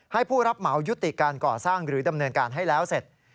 ผู้รับเหมายุติการก่อสร้างหรือดำเนินการให้แล้วเสร็จ